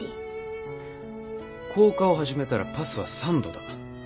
降下を始めたらパスは３度だ。